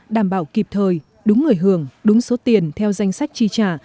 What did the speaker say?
đảm bảo kịp thời đúng người hưởng đúng số tiền theo danh sách chi trả